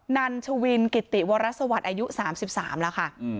นันเชวีนกิตติวรัสวัตรอายุ๓๓แล้ว